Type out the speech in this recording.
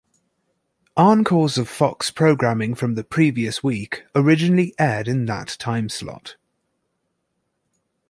Encores of Fox programming from the previous week originally aired in that timeslot.